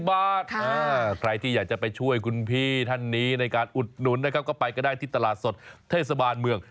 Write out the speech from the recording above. แล้วก็ใครที่อยากจะช่วยคุณพี่ท่านนี้ในการอุดนุนไปก็ได้ที่ตลาดสดเทศบาลเมือง